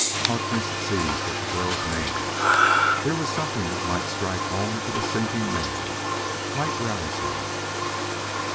Harkness seized at the girl's name. Here was something that might strike home to the sinking man; might rouse him.